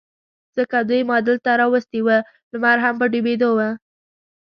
ځکه دوی ما دلته را وستي و، لمر هم په ډوبېدو و.